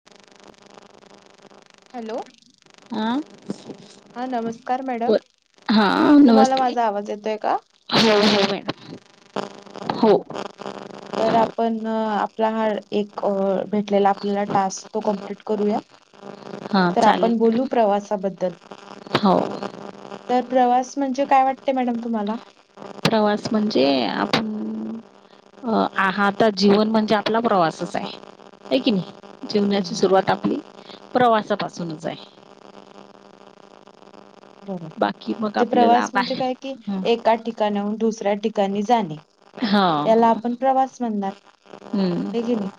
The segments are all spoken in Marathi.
[inaudible] हॅलो! आ हा नमस्कार मॅडम. तुम्हाला नमस्ते माझा झा आवाज येतोय का? हो हो मॅडम हो हा. तर आपण आपला हा एक भेटलेला आपल्याला टास्क तो कम्प्लीट करूया. हा तर चालेल आपण मॅडम बोलू प्रवासाबद्दल. हो. तर प्रवास म्हणजे काय वाटते मॅडम तुम्हाला? प्रवास म्हणजे आपण अ आ हाता जीवन म्हणजे आपला प्रवासच आहे. आहे की नाही? जिवनाची हम्म सुरुवात आपली प्रवासापासूनच आहे. बरोबर. बाकी मग जे आपल्याला प्रवास म्हणजे बाहेर काय कि हम्म. एका ठिकाणाहून दुसऱ्या ठिकाणी जाणे. हो याला आपण प्रवास म्हणणार. हे हम्म की नाही?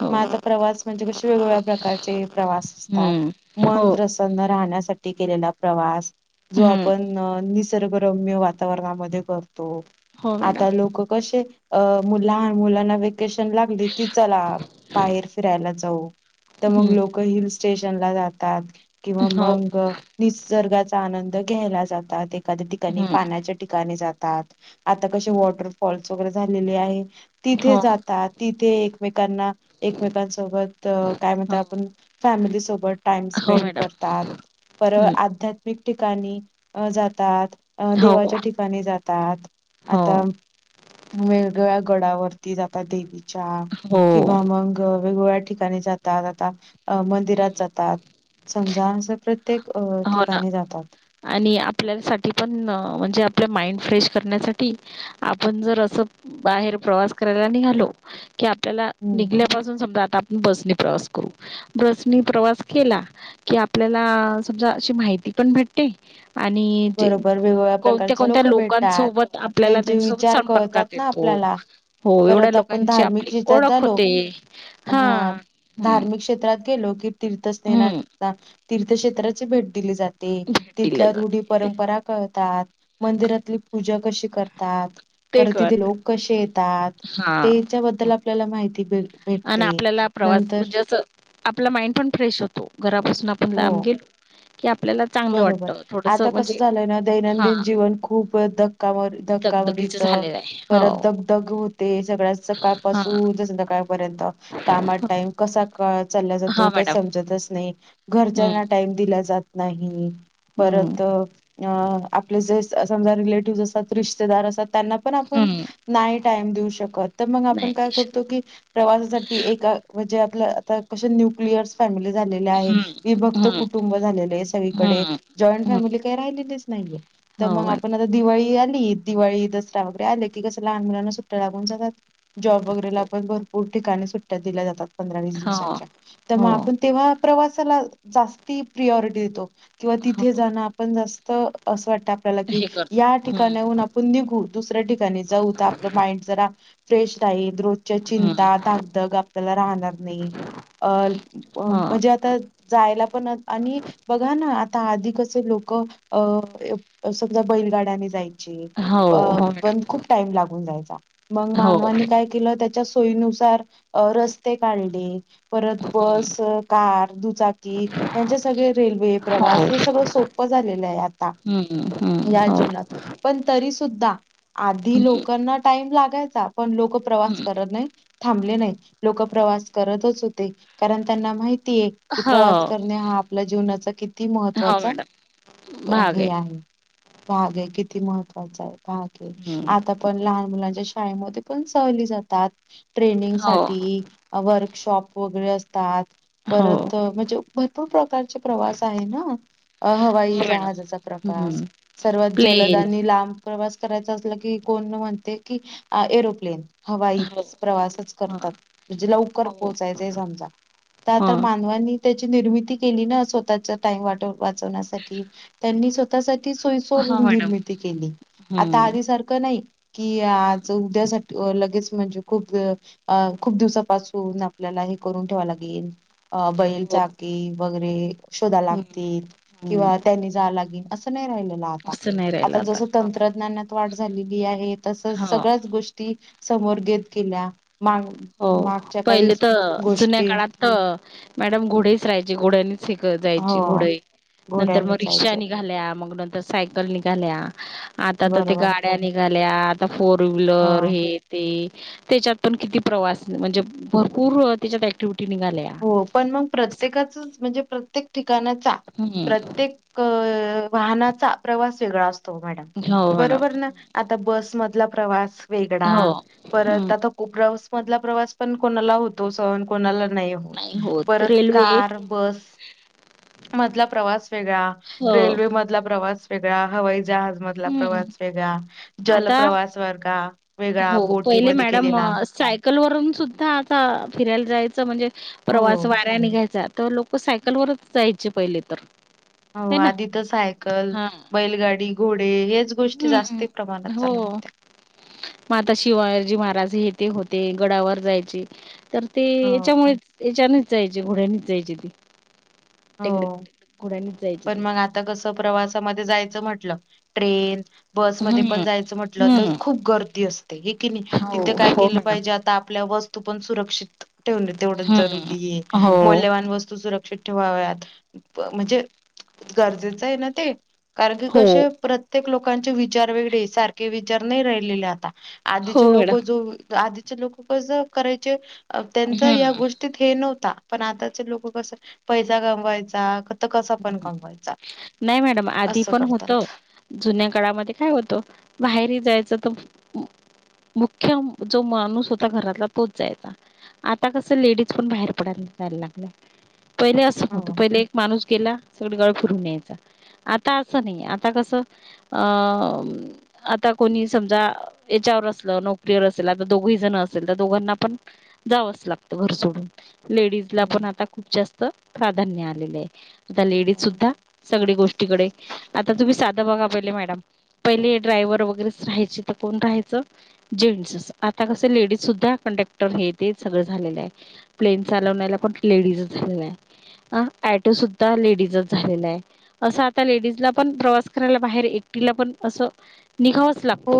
हो माझ प्रवास म्हणजे क शे वेगवेगळ्या प्रकारचे प्रवास असतात हम्म हो मन प्रसन्न सन्न राहण्यासाठी केलेला प्रवास. जो हम्म आपण निसर्गरम्य वातावरणामध्ये करतो हो मॅडम आता लोक कशे अ मुला मुलांना व्हेकेशन लागली की चला बाहेर फिरायला जाऊ तर मग हम्म लोक हिल स्टेशनला जातात किंवा हो मग निसर्गाचा आनंद घ्यायला जातात एखाद्या ठिकाणी हम्म पाण्याच्या ठिकाणी जातात आता कसे वॉटरफॉल्स वगैरे झालेले आहे तिथे हो जातात तिथे एकमेकांना एकमेकांसोबत काय म्हणत हो आपण फॅमिलीसोबत टाइम हो स्पेंड मॅडम करतात पर हम्म आध्यात्मिक ठिकाणी अ जातात अ हो देवाच्या ठिकाणी जातात हो आता वेगवेगळ्या गडावरती जातात देवीच्या हो किंवा मग वेगवेगळ्या ठिक [unintelligible] जात आ हम्म मंदिरात जातात समजा [unintelligible] प्रत्येक अ हो ना ठिकाणी जातात आणि आपल्यासाठी पण म्हणजे आपल्या माइंड फ्रेश करण्यासाठी आपण जर असं बाहेर प्रवास करायला निघालो की आपल्याला हं, निघल्या समजा आपण बसनी प्रवास करू बसनी प्रवास केला की आपल्याला समजा अशी माहिती पण भेट ती आणि जे बरोबर वेगवेगळ्या कोणत्या, प्रकारचे कोणत्या लोक भेटतात. लोकांसोबत आपल्याला त्यांचे त्यांच्यासोबत विचार कळतात संपर्कात ना त आपल्याला. हो एवढ्या परत आपण लोकांची धार्मिक आपली ह्याच्यात ओळख झालो होते हा हम्म धार्मिक क्षेत्रात गेलो की तीर्थ हम्म तीर्थक्षेत्राची भेट दिली जाते भेट दिल्या तिथल्या जाते रूढी परंपरा कळतात मंदिरातली पूजा कशी करतात ते पर तिथे कळत लोक कसे येतात त्याच्याबद्दल आपल्याला माहिती भेट आण आपल्याला प्रवास म्हणजे असं आपला माइंड पण फ्रेश होतो घरापासून आपण हो लांब गेलो की आपल्याला चांगलं बरोबर वाटतं थोडस आता कस म्हणजे झालंय ना हा दैनंदिन जीवन खूप एकदम धका दगदगीच धक्कामरीच झालेलं आहे हो परत दग, दग होते सगळ्यात हा सकाळपसून ज संध्याकाळ परत कामात टाईम कसा चालला जातो हा काही मॅडम समजतच नाही हम्म घरच्यांना टाइम दिला जात नाही हम्म परत अ आपले जे समजा रिलेटिव्ह असत रिश्तेदार असतात त्यांना पण आपण हम्म नाही टाईम देऊ शकत तर मग नाही आपण काय दिश करतो की प्रवासासाठी एक म्हणजे आपलं आता कस न्युक्लिअर्स फॅमिली झाले आहे हम्म विभक्त हम्म कुटुंब झालेले सगळी कडे हम्म जॉइंट हम्म फॅमिली काय राहिलीच नाही तर हो मग मॅडम आपल्यालाच दिवाळी आली दिवाळी दसरा वगैरे आले की कसं लहान मुलांना सुट्ट्या लागून जातात जॉब वगैरेला हो पण भरपूर ठिकाणी सुट्ट्या दिल्या जातात पंधरा वीस हो दिवसाच्या तर हो मग आपण तेव्हा प्रवासाला जास्ती प्रियरिटी देतो किंवा तिथे हो जाणं आपण जास्त असं वाटाय आपल्याला की हे या करतो हम्म ठिकाणाहून आपण निघू दुसऱ्या ठिकाणी जाऊ तर आपलं माइंड जरा फ्रेश डाईट रोजच्या हम्म चिंता धागधग आपल्याला राहणार नाही अ अ हो म्हणजे आता जायला पण आणि बघा ना आ आता अधिक अस लोक अ समजा बैलगाड्याने जाईन हो अ हो पण मॅडम खूप टाईम लागुन जायचा मग हो मानवाने काय तिला त्याच्या सोयीनुसार रस्ते काढले परत हम्म बस कार दुचाकी यांच्या सगळे रेल्वे हो प्रवास हे सगळं सोप झालेलं आहे आता हम्म हम्म या हो जीवनात पण तरी सुुद्धा आधी हम्म लोकांना टाईम लागायचा पण लोक प्रवास हम्म करत नाहीत थांबले नाही. लोक प्रवास करतच होते कारण त्यांना माहित ती की हो प्रवास करणे हा आपल्या जीवनाचा किती म हो हत्वाचा मॅडम हे आहे. भाग ये किती महत्वाचा ये भाग ये हम्म. आता पण लहान मुलांच्या शिक शाळेमध्ये पण सहली जातात ट्रेनिंग हो, साठी वर्कशॉप वगैरे असतात हो. परत अ हो म्हणजे भरपूर प्रकारचे प्रवास आहे न अ हवाई मॅडम. जहाजाचा प्रकाश हं. सर्वात जलद प्लेन. आणि लांब प्रवास करायचा असलं की कोण म्हणते की अ एरोप्लेन हवाई हो. प्रवासच हां. करतात म्हणजे लवकर हो. पोहोचायचंय समजा त आता हां. मानवांनी त्याची निर्मिती केली ना स्वतःचा टाईम वाट वाचवण्यासाठी त्यांनी स्वतःसाठी सोय सोर हां मॅडम. निर्मिती केली आता हं. आधी सारख क नाय की हां. आज उद्यासाठी लगेच म्हणजे खूप अ अ खूप दिवसापासून आपल्याला हे करून ठेवाव लागेन अ हो. बैलचाकी वगैरे शोधा हं, लागतील. हं. किंवा हा त्यांनी जाआ लागिन असं नाय राहिलेलं आता असं नाही राहिलं आता जस तंत्रज्ञान वाढ झालेली आहे तसच हो. सगळ्याच गोष्टी समोर गेत गेल्या माळु हो. मात पहिले त जुन्या काळात त मॅडम घोडेच राहायचे घोड्यानी शिक हो जायची घोड नंतर म घोड्यानी रिक्षा जायचे निघाल्या मग नंतर सायकल निघाल्या आता त ते बरोबर गाड्या निघाल्या आता फोर व्हीलर हो. हे ते त्याच्यात पण किती प्रवास म्हणजे भरपूर त्याच्यात ऍक्टिव्हटी निघाल्या हो पण मग असं. प्रत्येकाच म्हणजे प्रत्येक ठिकाणाचा हम्म, प्रत्येक अ वाहनाचा प्रवास वेगळा असतो मॅडम हो मॅडम. बरोबर ना आता बसमधला प्रवास वेगडा हो. हं. परत आता उग्रवस मधला प्रवास पण कोणाला होतो सहन कोणाला नाय होत नाही परत रेल्वे कार बस मधला प्रवास वेगळा हो. रेल्वे मधला प्रवास वेगळा हवाई जहाज मध ला हं. प्रवास वेगळा जल आता प्रवास वर्गा वेगळा बोटीमध्ये केलेला सायकल वरून सुद्धा आता फिरायला जायचं म्हणजे प्रवास हो. वाऱ्या निघायचा त लोक त सायकलवरच जायचे पहिले तर हो है ना? आधी त सायकल, बैलगाडी, घोडे हेच गोष्टी हम्म जास्ती प्रमाणात हो चालत होत्या. म आता शिवाजी महाराज हे ते होते गडावर जायचे तर ते हो. याच्यामुळे याच्यानीच जायचे घोड्यांनीच जायचे ते हो, तइकड घोड्यानीच जायची पण ते मग आता कस प्रवासामध्ये जायचं म्हंटलं ट्रेन बसमध्ये पण हं. जायचं म्हटलं त हं. खूप गर्दी असते हे की नी हो, तिथे काय हो केलं मॅडम. पाहिजे आता आपल्या बस तो पण सुरक्षित ठेवणे तेवढ जरुरी हम्म. ये हो. मौल्यवान वस्तू सुरक् ठेवाव्यात म्हणजे गरजेचं ये ना ते कारण की हो. कशे प्रत प्रत्येक लोकांचे विचार वेगडे सारखे विचार नाय राहिलेले आता हो आधीचे लोक मॅडम. जो आदि चे लोक कस करायचे अ त्यांच या हम्म. गोष्टीत हे नव्हता पण आताचे लोक कस पैसा कमवायचा हूं कमवायचा नाय मॅडम आधी असं पण करतात. होत जुन्या काळामध्ये काय होत माहेरी जायच तर मुख्य जो माणूस होता घरातला तोच जायचा. आता कस लेडीज पण बाहेर पडायला जायला लागल्या. पहिले अस होत हो पहिले एक माणूस [unintelligible] फिरून यायच आता असं नाही आता कस अ आता कोणी समजा याच्यावर असल नोकरीवर असेल आता दोघही जण असेल तर दोघांना पण जावच लागत घर सोडून. लेडीज ला पण आता खूप जास्त प्राधान्य आलेले आहे आता लेडीज हो. सुद्धा सगळी गोष्टीकडे आता तुम्ही साध बघा पहिले मॅडम पहिले ड्रायव्हर वगैरे राहायची तर कोण राहायचं. जेंट्स आता कस लेडीज सुद्धा कंडक्टर हे ते सगळं झालेल आहे. प्लेन चालवण्याला पण लेडीज झालेला आहे. ऑटो सुद्धा आता लेडीजच झालेला आहे. अस आता लेडीजला पण प्रवास करायला बाहेर एकटीला पण अस निघावच लागत. हो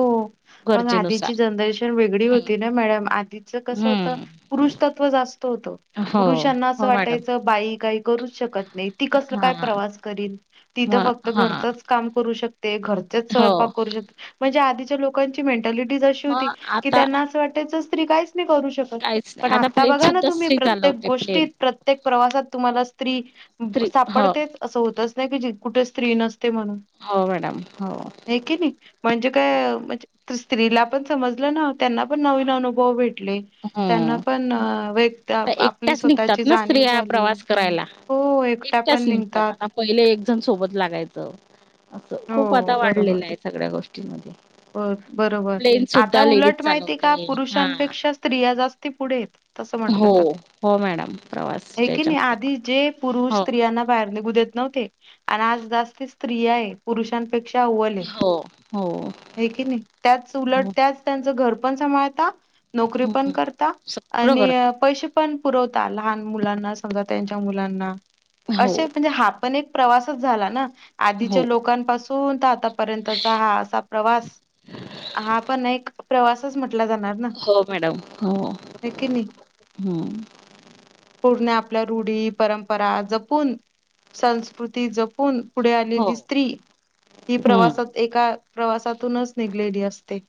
मग आधीची जनरेशन वेगळी होती ना मॅडम आधीच कस होत हम्म पुरुष तत्व जास्त होतं हो पुरुषांना असं हो मॅडम वाटायच बाई काही करूच शकत नाही. ते ती कसल काय हा प्रवास करील ती तर म फक्त हा घरचच काम करू शकते. घरचेच हो स्वयंपाक करू शकते. म्हणजे आधीच्या लोकांची मेंटॅलिटीज अशी होती मग की आता त्यांना अस वाटायच स्त्री काहीच नाही करू शकत. काहीच नाही पण आता प्लेन बघा ना सुद्धा तुम्ही स्त्री प्रत्येक चालवते प्लेन गोष्टीत प्रत्येक प्रवासात तुम्हाला स्त्री स्त्री हो सापडतेच अस होतच नाही की कुठे स्त्री नसते म्हणून. हो मॅडम हो. हाय की नाही म्हणजे हो काय? म्हणजे स्त्रीला पण समजल ना त्यांना पण नवीन अनुभव भेट त्यांना हम्म पण व आता आपली एकट्याच स्वतःची निघतात ना जाणीव स्त्रिया झाली. प्रवास करायला हो एकट्या एकट्याच पण निघतात. आता पहिले एकजण सोबत लागायच. हो खूप आता वाढलेल आहे सगळ्या गोष्टी हो बरोबर आता उलट माहितीये आहे चालवते का हा पुरुषांपेक्षा स्त्रिया जास्ती पुढे तस म्हटल हो तर, हो मॅडम हे प्रवासच्या की नाही याच्यामध्ये पण आधी जे पुरुष हो स्त्रियांना बाहेर निघू देत नव्हते आणि आज जास्त स्त्रियायेत पुरुषांपेक्षा अव्वल हो हो ये. हे की नाही त्याच उलट हो त्याच त्यांच घर पण सभाळता नोकरी पण हम्म करता सगळं आणि करतात पैशे पण पुरवता लहान मुलांना समजा त्यांच्या मुलांना. हो असे म्हणजे हा आपण एक प्रवासच झाला ना आधीच्या हो लोकांपासून तर आतापर्यंतचा हा असा प्रवास. हा पण एक प्रवासच म्हटला जाणार. ना हो मॅडम हो हे की नाही पूर्ण आपल्या रूढी परंपरा जपून. संस्कृती जपून. पुढे हो आलेली स्त्री ही हम्म प्रवासात एका प्रवासातूनच निघलेली असते.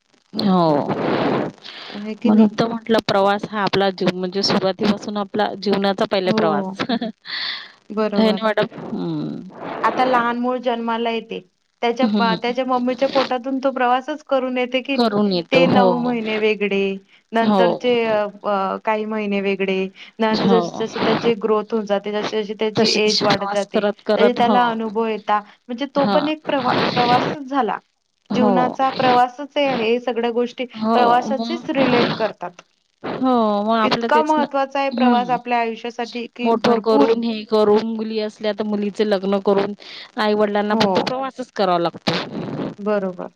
हो हे की म्हणून नाही तर म्हंटल. प्रवास हा आपला जी म्हणजे सुरुवातीपासून आपला जीवनाचा पहिला प्रवास. हो आहे बरोबर ना मॅडम हम्म आता लहान मूल जन्माला येते त्याच्या हम्म त्याच्या मम्मीच्या पोटातून तो प्रवासच करून येत हे की नाही करून येतो ते हो नऊ महिने वेगळे हो नंतरचे अ प काही महिने वेगळे. नंतर जस हो जसशी त्याचे ग्रोथ होऊन जाते तसे तशे त्याची तसे एज तसे वाढत प्रवास जाते करत त्याचे करत हो त्याला अनुभव येता म्हणजे तो हा पण एक प्रवा -प्रवासच झाला. हो जीवनाचा प्रवासाच ए हे सगळ्या गोष्टी हो मग प्रवासाचेच रिलेट करतात. हो म आपलं इतका तेच ना महत्त्वाचा आहे प्रवास हम् आपल्या आयुष्यासाठी कि मोठं भरपूर करून हे करून मुली असल्या त मुलीच लग्न करून आईवडिलांना हो पण तो प्रवासच करावा लागतो. बरोबर.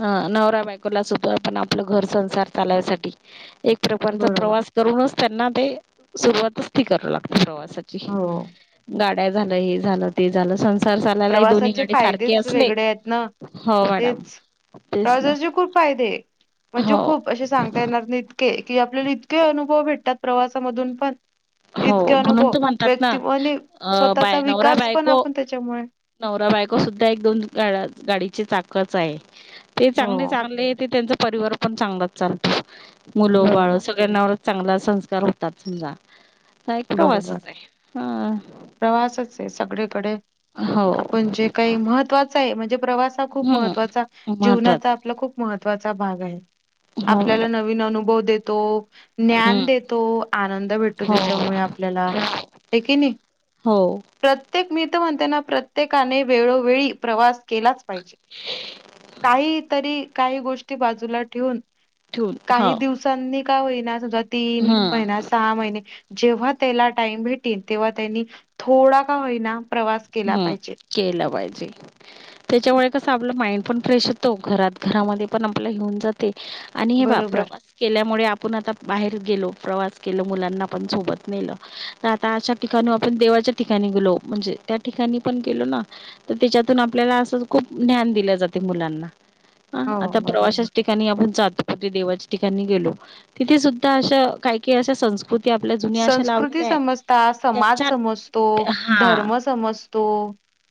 ह नवरा बायकोला सुद्धा पण आपलं घर संसार चालायसाठी. एक प्रकारचा बरोबर प्रवास करूनच त्यांना ते सुरुवातच ती कराव लागती प्रवासाची. हो. गाड्या झालं हे झालं ते झालं सन्स संसाराला ही दोन्ही प्रवासाचे गाडे सारखे फायदेच असले हो मॅडम. तेच ना तेजे खूप फायदे म्हणजे हो खूप अशे सांग ता येणार नाय इतके कि आपल्याला इतके अनुभव भेटतात प्रवासामधून पण हो इतके म्हणून अनुभव तर म्हणतात व्यक्ति ना आणि अ स्वतःचा बाय नवरा विकास पण बायको आपण त्याच्यामुळे नवरा बायको सुद्धा एक दोन गा-गाडीची चाकच आहे. ते हो चांगले चालले ते त्यांच परिवार पण चांगलाच चालतो मुलं बाळ बरोबर. सग चांगला संस्कार होतात समजा हा एक बरोबर प्रवासच हाय हा. प्रवासच ए सगळीकडे हो आपण जे काही महत्वा चाय म्हणजे प्रवास हा खूप हम्म महत्त्वाचा जीवनाचा महत्वाचं आहे. आपला खूप महत्त्वाचा भागाय. हो आपल्याला मॅडम नवीन अनुभव देतो ज्ञान हम्म देतो आनंद भेटतो हो त्या त्याच्यामुळे आपल्याला हे की नाय. हो प्रत्येक मि तर म्हणतेना प्रत्येकाने वेळोवेळी प्रवास केलाच पाहिजे. काही तरी काही गोष्टी बाजूला ठेवून ठेवून काही हो दिवसांनी का होईना समजा तीन हम्म महिना सहा महिने जेव्हा त्याला टाईम भेटेन तेव्हा त्यांनी थोडा का होईना प्रवास केला पाहिजे. केला पाहिजे. त्याच्यामुळे कसं आपलं माइंड पण फ्रेश होतो घरात घरामध्ये पण आपल्याला हे होऊन जाते. आणि हे बघा बरोबर. प्रवास केल्यामुळे आपण आता बाहेर गेलो प्रवास केलो मुलांना पण सोबत नेलं तर आता अशा ठिकाण आपण देवाच्या ठिकाणी गेलो म्हणजे त्या ठिकाणी पण गेलो ना तर त्याच्यातून आपल्याला असंच खूप ज्ञान दिलं जाते मुलांना. हा हो, आता बरोबर. प्रवाश्याच्या ठि कानी आपण जातो म ते देवाच्या ठिकाणी गेलो तिथे सुद्धा अशा काय काय अशा संस् कृती आपल्या जुन्या अशा संस्कृती लावलेल्या आहे समजता समाज त्याच्या समजतो हा धर्म समजतो.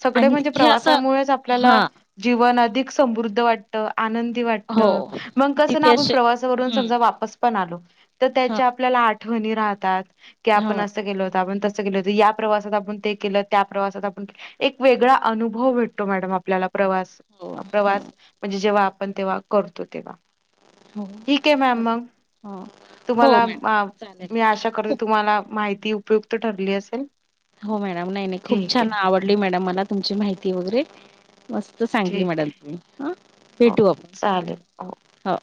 सगळे आणि म्हणजे तिथे असं प्रवासामुळेच आपल्याला हा जीवन अधिक समृद्ध वाट त -आनंदी वाटत हो मग कसं ना तिथे आपण असे प्रवासावरून हं समजा वापस पण आलो. त- हां त्याच्या आपल्याला आठवणी राहतात की हां आपण असं गेलोहोत आपण त या प्रवासात आपण ते केलं त्या प्रवासात आपण ते केलं एक वेगळा अनुभव भेटतो मॅडम. आपल्याला प्रवास हो हो प्रवास म्हणजे जेव्हा आपण तेव्हा करतो तेव्हा. हो ठीक ए मॅम मग हो हो तुम्हाला मॅडम चालेल मी आशा खूप तुम्हाला माहिती उपयुत ठरली असेल. हो मॅडम नाय नाय खूप ठीक छान आहे आवडली मॅडम मला तुमची माहिती वगैरे. मस्त सांगली ठीक मॅडम आहे तुम्ही हा हो भेटू आपण चालेल हो.